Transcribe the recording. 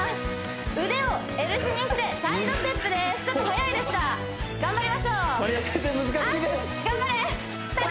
腕をＬ字にしてサイドステップですちょっと速いですが頑張りましょうこれ先生